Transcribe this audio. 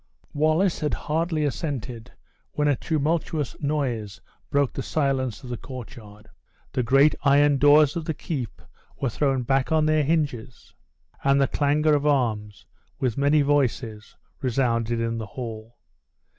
Wallace had hardly assented, when a tumultuous noise broke the silence of the courtyard; the great iron doors of the keep were thrown back on their hinges, and the clangor of arms, with many voices, resounded in the hall.